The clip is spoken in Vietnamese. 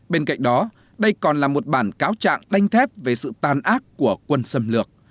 bên cạnh đó đây còn là một bản cáo trạng đánh thép về sự tàn ác của quân xâm lược